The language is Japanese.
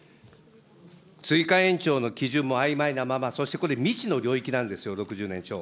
追加延長の基準もあいまいなまま、そしてこれ、未知の領域なんですよ、６０年超。